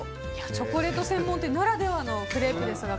チョコレート専門店ならではのクレープですが